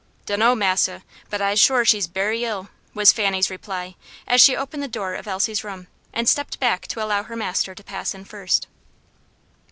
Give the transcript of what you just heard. "Dunno, Massa; but I'se sure she's berry ill," was Fanny's reply, as she opened the door of Elsie's room, and stepped back to allow her master to pass in first.